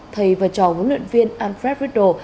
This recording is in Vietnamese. thầy và trò huấn luyện viên alfred riddle